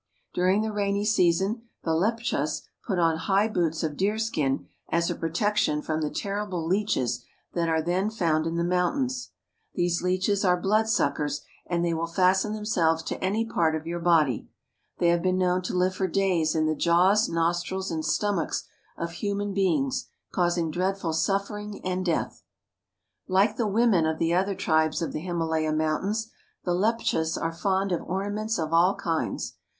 During the rainy season, the Leptchas put on high boots of deerskin as a protection from the terrible leeches that are then found in the mountains. These leeches are bloodsuckers, and they will fasten themselves to any part of your body. They have been known to live for days in the jaws, nostrils, and stomachs of human beings, causing dreadful suffering and death. Tea Plant. IN THE HEART OF THE HIMALAYA MOUNTAINS 303 Like the women of the other tribes of the Himalaya Mountains, the Leptchas are fond of ornaments of all kinds.